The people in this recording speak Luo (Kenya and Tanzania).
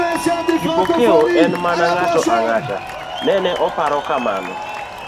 Kipokeo en mana ng'ato ang'ata…nene oparo kamano.